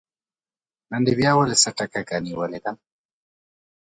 نن دې بيا ولې څټه کږه نيولې ده